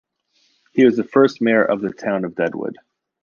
He was the first mayor of the town of Deadwood.